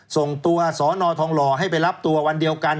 ส่งตัวสอนอทองหล่อให้ไปรับตัววันเดียวกัน